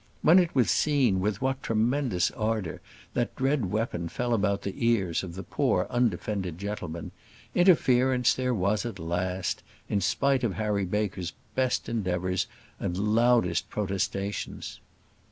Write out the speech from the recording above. When it was seen with what tremendous ardour that dread weapon fell about the ears of the poor undefended gentleman, interference there was at last, in spite of Harry Baker's best endeavours, and loudest protestations.